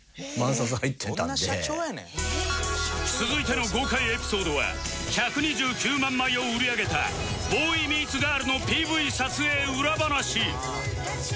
続いての豪快エピソードは１２９万枚を売り上げた『ＢＯＹＭＥＥＴＳＧＩＲＬ』の ＰＶ 撮影裏話